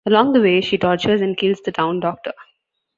Along the way, she tortures and kills the town doctor.